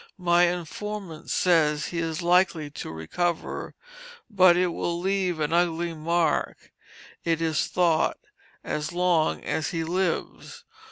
My informant says he is likely to recover, but it will leave an ugly mark it is thought, as long as he lives.